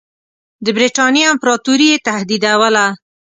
د برټانیې امپراطوري یې تهدیدوله.